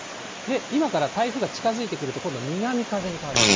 今から台風が近づいてくると、今度南風に変わります。